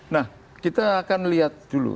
nah kita akan lihat dulu